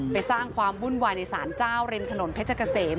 สร้างความวุ่นวายในสารเจ้าริมถนนเพชรเกษม